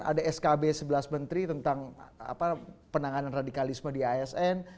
ada skb sebelas menteri tentang penanganan radikalisme di asn